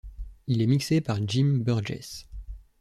Il est mixé par Jim Burgess.